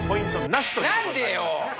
何でよ